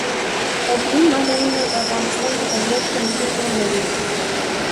اوبزین معدنونه د افغانستان په طبیعت کې مهم رول لري.